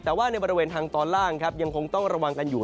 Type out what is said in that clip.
แต่ว่าในบริเวณทางตอนล่างครับยังคงต้องระวังกันอยู่